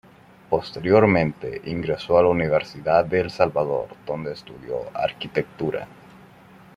Posteriormente ingresó a la Universidad de El Salvador donde estudió arquitectura.